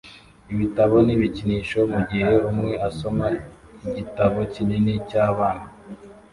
ibitabo n ibikinisho mugihe umwe asoma igitabo kinini cyabana